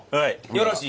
よろしい？